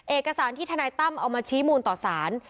เอกสารที่ทนายตั้มเอามาชี้มูลต่อสาร